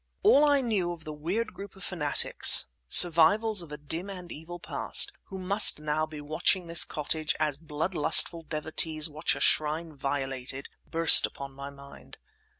All that I knew of the weird group of fanatics—survivals of a dim and evil past—who must now be watching this cottage as bloodlustful devotees watch a shrine violated, burst upon my mind.